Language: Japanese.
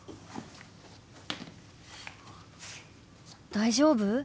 大丈夫？